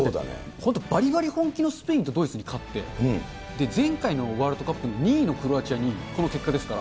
本当、ばりばり本気のスペインとドイツに勝って、前回のワールドカップ２位のクロアチアにこの結果ですから。